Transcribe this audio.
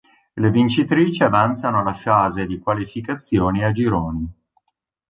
Le vincitrici avanzano alla fase di qualificazione a gironi.